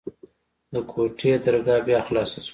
د کوټې درګاه بيا خلاصه سوه.